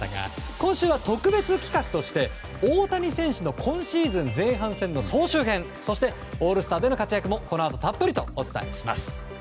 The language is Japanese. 今週は特別企画として大谷選手の今シーズン前半の総集編そしてオールスターでの活躍もこのあとたっぷりとお伝えします。